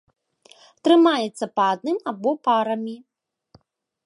Трымаецца па адным або парамі.